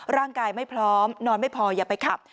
ร่างกายไม่พร้อมนอนไม่พออย่าไปขับ